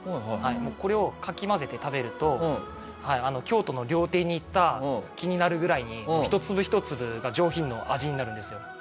もうこれをかき混ぜて食べると京都の料亭に行った気になるぐらいに一粒一粒が上品な味になるんですよ。